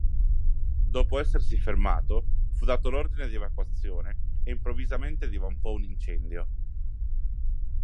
Dopo essersi fermato fu dato l'ordine di evacuazione e improvvisamente divampò un incendio.